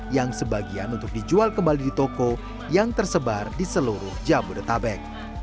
yang sebagian untuk dijual kembali di toko yang tersebar di seluruh jabodetabek